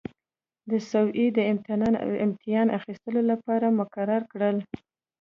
د سویې د امتحان اخیستلو لپاره مقرر کړل.